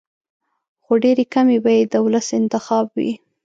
خو ډېرې کمې به یې د ولس انتخاب وي.